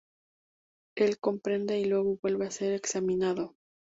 Él comprende y luego vuelve a ser examinado.